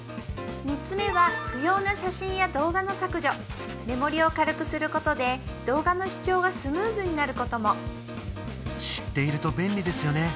３つ目は不要な写真や動画の削除メモリを軽くすることで動画の視聴がスムーズになることも知っていると便利ですよね